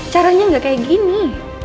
caranya gak kayak gini